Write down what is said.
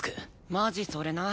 マジそれな。